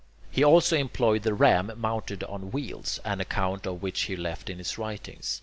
He also employed the ram mounted on wheels, an account of which he left in his writings.